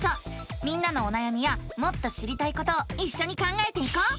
みんなのおなやみやもっと知りたいことをいっしょに考えていこう！